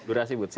durasi but sih